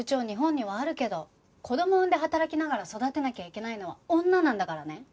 日本にはあるけど子供産んで働きながら育てなきゃいけないのは女なんだからね。